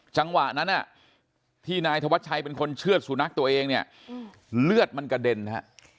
จังหวะนั้นที่นายธวัชชัยเป็นคนเชื่อดสุนัขตัวเองเนี่ยเลือดมันกระเด็นฮะ